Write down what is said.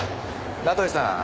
名取さん